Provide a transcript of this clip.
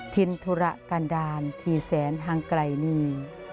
ทินธุระกันดาลทีแสนทางไกลนี่